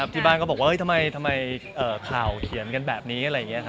ที่บ้านก็บอกว่าทำไมข่าวเขียนกันแบบนี้